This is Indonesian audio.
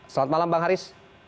selamat malam bang aris